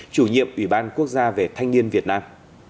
chủ nhiệm ủy ban quốc gia về thanh niên việt nam